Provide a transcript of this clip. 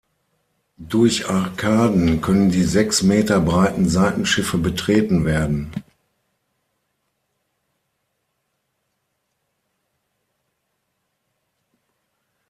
Durch Arkaden können die sechs Meter breiten Seitenschiffe betreten werden.